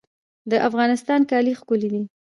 د افغانستان کالي ښکلي دي